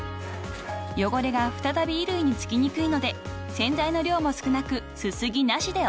［汚れが再び衣類に付きにくいので洗剤の量も少なくすすぎなしでＯＫ］